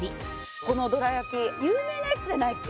このどら焼有名なやつじゃないっけ？